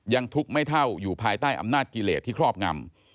ยังทุกข์ไม่เท่าอยู่ภายใต้อำนาจกิเลสที่ครอบงำ